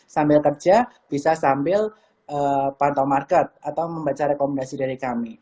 sambil kerja bisa sambil pantau market atau membaca rekomendasi dari kami